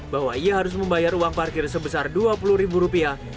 bahwa ia harus membayar uang parkir sebesar dua puluh ribu rupiah